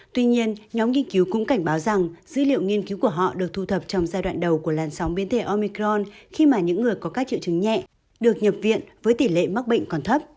tuy nhiên nhóm nghiên cứu cũng cảnh báo rằng dữ liệu nghiên cứu của họ được thu thập trong giai đoạn đầu của làn sóng biến thể omicron khi mà những người có các triệu chứng nhẹ được nhập viện với tỷ lệ mắc bệnh còn thấp